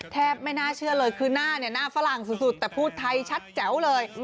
ไม่น่าเชื่อเลยคือหน้าเนี่ยหน้าฝรั่งสุดแต่พูดไทยชัดแจ๋วเลย